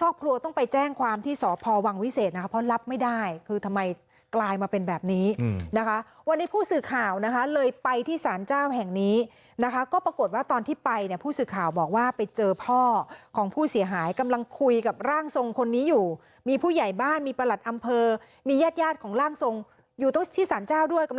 ครอบครัวต้องไปแจ้งความที่สอบพอวังวิเศษนะคะเพราะรับไม่ได้คือทำไมกลายมาเป็นแบบนี้นะคะวันนี้ผู้สื่อข่าวนะคะเลยไปที่สารเจ้าแห่งนี้นะคะก็ปรากฏว่าตอนที่ไปเนี่ยผู้สื่อข่าวบอกว่าไปเจอพ่อของผู้เสียหายกำลังคุยกับร่างทรงคนนี้อยู่มีผู้ใหญ่บ้านมีประหลัดอำเภอมีแยดของร่างทรงอยู่ที่สารเจ้าด้วยก